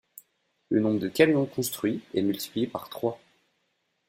Le nombre de camions construits est multiplié par trois.